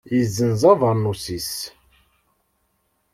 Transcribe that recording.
Yezzenz abernus-is.